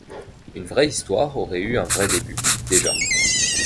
Une vraie histoire aurait eu un vrai début, déjà.